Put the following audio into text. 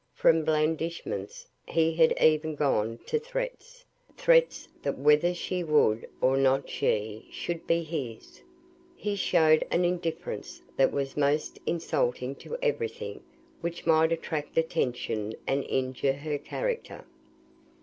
From blandishments he had even gone to threats threats that whether she would or not she should be his; he showed an indifference that was almost insulting to every thing that might attract attention and injure her character.